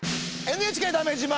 「ＮＨＫだめ自慢」